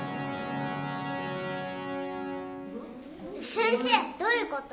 先生どういうこと？